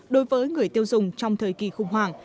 đối với người tiêu dùng trong thời kỳ khủng hoảng